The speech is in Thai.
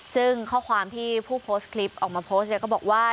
ซึ่งข้อความที่ผู้โพสต์คลิปออกมาโพสต์เนี่ยก็บอกว่า